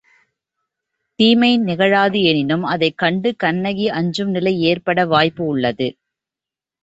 தீமை நிகழாது எனினும் அதைக் கண்டு கண்ணகி அஞ்சும் நிலை ஏற்பட வாய்ப்பு உள்ளது.